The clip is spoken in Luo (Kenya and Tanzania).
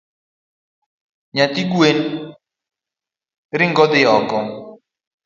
Nyithi guen ringo dhi oko